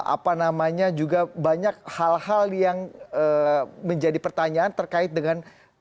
apa namanya juga banyak hal hal yang menjadi pertanyaan terkait dengan